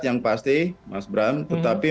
yang pasti mas bram tetapi